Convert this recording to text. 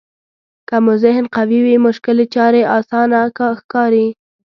که مو ذهن قوي وي مشکلې چارې اسانه ښکاري.